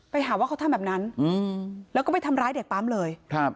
ไปหาว่าเขาทำแบบนั้นแล้วก็ไปทำร้ายเด็กปั๊มเลยครับ